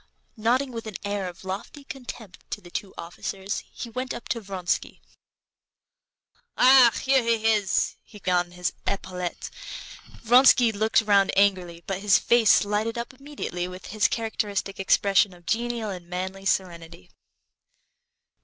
Nodding with an air of lofty contempt to the two officers, he went up to Vronsky. "Ah! here he is!" he cried, bringing his big hand down heavily on his epaulet. Vronsky looked round angrily, but his face lighted up immediately with his characteristic expression of genial and manly serenity.